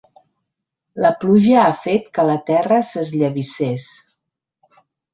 La pluja ha fet que la terra s’esllavissés.